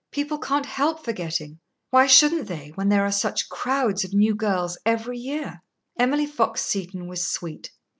People can't help forgetting. Why shouldn't they, when there are such crowds of new girls every year?" Emily Fox Seton was sweet.